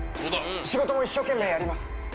仕事も一生懸命やります。